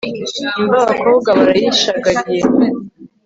imva abakobwa barayishagariye